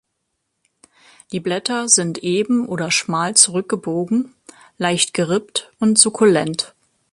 Die Blätter sind eben oder schmal zurückgebogen, leicht gerippt und sukkulent.